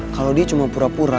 kalau dia cuma pura pura